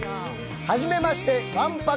はじめまして！